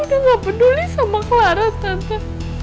udah gak peduli sama clar tante